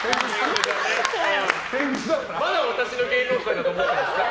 まだ私の芸能界だと思ってるんですか。